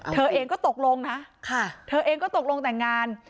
เธอเองก็ตกลงนะเธอเองก็ตกลงแต่งงาน